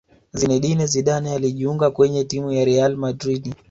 zinedine Zidane alijiunga kwenye timu ya real madrid